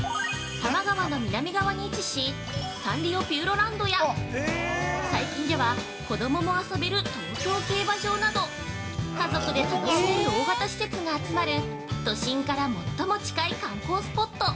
多摩川の南側に位置しサンリオピューロランドや最近では子供も遊べる東京競馬場など家族で楽しめる大型施設が集まる都心から最も近い観光スポット！